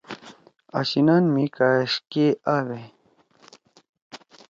آشینان مھی کأش کے آپ۔ ہے